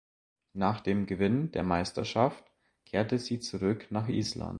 Nach dem Gewinn der Meisterschaft kehrte sie zurück nach Island.